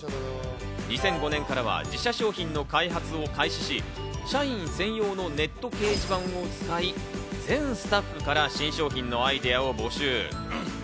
２００５年からは自社商品の開発を開始し、社員専用のネット掲示板を使い全スタッフから新商品のアイデアを募集。